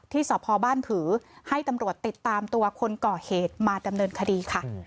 สพบ้านผือให้ตำรวจติดตามตัวคนก่อเหตุมาดำเนินคดีค่ะ